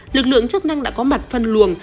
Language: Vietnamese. lực lượng chức năng đã có mặt phân luồng